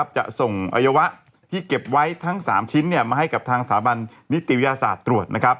จะส่งอวัยวะที่เก็บไว้ทั้ง๓ชิ้นมาให้กับทางสถาบันนิติวิทยาศาสตร์ตรวจ